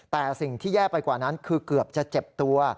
แต่สิ่งที่แย่ไปกว่านั้นคือเกือบจะเจ็บตัว